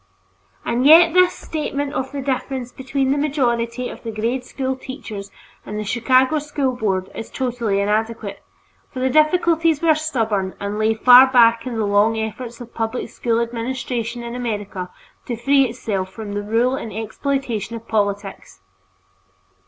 And yet this statement of the difference between the majority of the grade school teachers and the Chicago School Board is totally inadequate, for the difficulties were stubborn and lay far back in the long effort of public school administration in America to free itself from the rule and exploitation of politics.